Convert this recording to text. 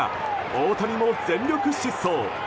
大谷も全力疾走！